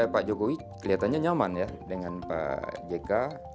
pak jokowi kelihatannya nyaman ya dengan pak jk